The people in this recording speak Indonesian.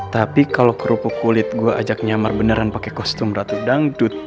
tapi kalau kerupuk kulit gue ajak nyamar beneran pakai kostum ratu dangdut